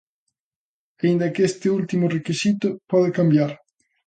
Aínda que este último requisito pode cambiar.